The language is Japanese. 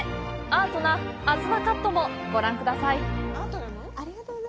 アートな東カットもご覧ください！